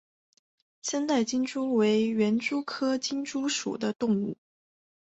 三带金蛛为园蛛科金蛛属的动物。